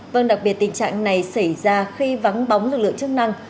vâng đặc biệt tình trạng này xảy ra khi vắng bóng lực lượng chức năng